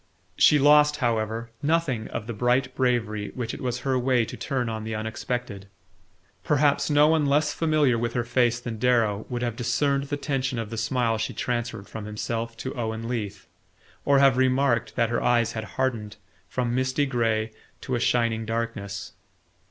She lost, however, nothing of the bright bravery which it was her way to turn on the unexpected. Perhaps no one less familiar with her face than Darrow would have discerned the tension of the smile she transferred from himself to Owen Leath, or have remarked that her eyes had hardened from misty grey to a shining darkness.